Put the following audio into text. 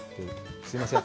すみません。